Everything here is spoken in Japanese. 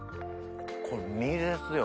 この身ですよ